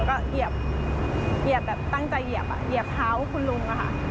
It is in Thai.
แล้วก็เหยียบแบบตั้งใจเหยียบเหยียบเท้าคุณลุงอะค่ะ